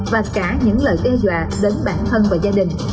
và cả những lời đe dọa đến bản thân và gia đình